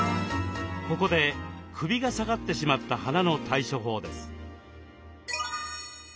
ここで首が下がってしまった花の対処法です。